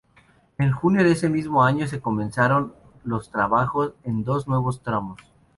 En junio de ese mismo año se comenzaron los trabajos en dos nuevos tramos.